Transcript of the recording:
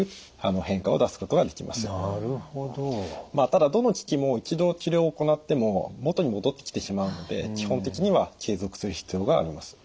ただどの機器も一度治療を行っても元に戻ってきてしまうので基本的には継続する必要があります。